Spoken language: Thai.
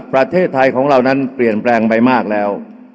ประเทศไทยของเรานั้นเปลี่ยนแปลงไปมากแล้ว